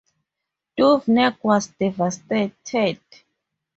Duveneck was devastated.